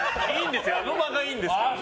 あの間がいいんですよ。